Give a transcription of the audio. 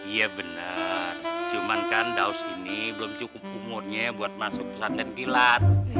iya benar cuman kan daus ini belum cukup umurnya buat masuk sanden kilat